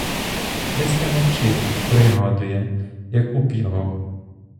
Христя мовчить, пригадує: яку б його?